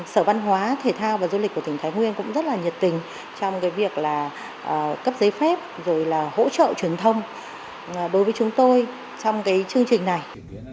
sở văn hóa thể thao và du lịch của tỉnh thái nguyên cũng rất là nhiệt tình trong cái việc là cấp giấy phép rồi là hỗ trợ truyền thông đối với chúng tôi trong cái chương trình này